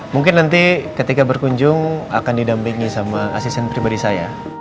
mungkin nanti ketika berkunjung akan didampingi sama asisten pribadi saya